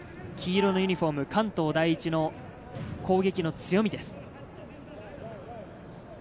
黄色のユニホーム、関東第一の攻撃の強みです。